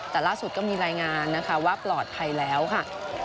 แต่ล่าสุดก็มีรายงานนะคะว่าปลอดภัยแล้วค่ะ